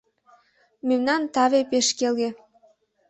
Мемнан таве пеш келге